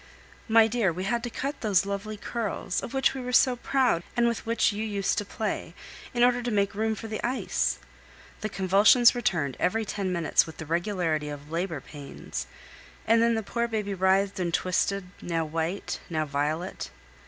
My dear, we had to cut those lovely curls, of which we were so proud and with which you used to play, in order to make room for the ice. The convulsions returned every ten minutes with the regularity of labor pains, and then the poor baby writhed and twisted, now white, now violet.